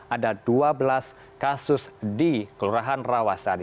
ada dua belas kasus di kelurahan rawasari